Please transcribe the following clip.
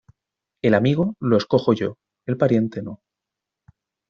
El amigo, lo escojo yo, el pariente, no.